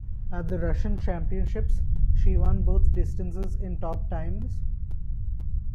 At the Russian Championships, she won both distances in top times.